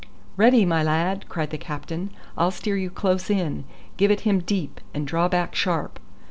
"Ready, my lad!" cried the captain. "I'll steer you close in. Give it him deep, and draw back sharp."